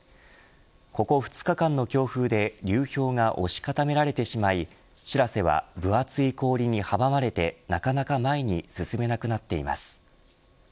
ここ２日間の強風で流氷が押し固められてしまいしらせは、分厚い氷に阻まれてなかなか前に進めなくなっています。